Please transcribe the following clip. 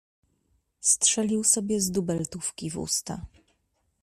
Strzelił sobie z dubeltówki w usta.